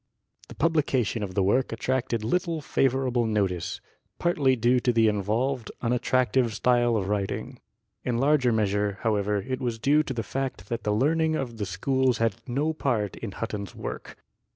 The publication of the work attracted little favorable notice, partly due to the involved, unattractive style of writing; in larger measure, however, it was due to the fact that the learning of the schools had no part in Hutton's work.